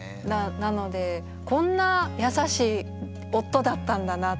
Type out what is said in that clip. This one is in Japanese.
なのでこんな優しい夫だったんだなって。